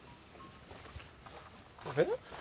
あれ？